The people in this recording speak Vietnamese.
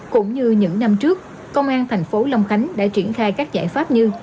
cũng như những năm trước công an thành phố long khánh đã triển khai các giải pháp như